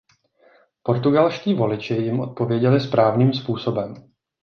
Portugalští voliči jim odpověděli správným způsobem.